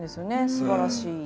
すばらしい。